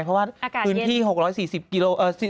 เพราะว่าอากาศเย็นพื้นที่๖๔๐กิโลเอ่อ